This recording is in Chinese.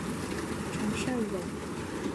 陈胜人。